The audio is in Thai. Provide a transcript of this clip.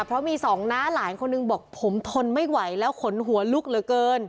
เพราะมีสองน้าหลานคนหนึ่งบอกผมทนไม่ไหวแล้วขนหัวลุกเหลือเกิน